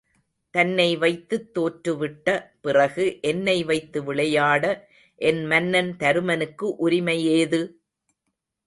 தன்னை வைத்துத் தோற்றுவிட்ட பிறகு என்னை வைத்து விளையாட என் மன்னன் தருமனுக்கு உரிமை ஏது?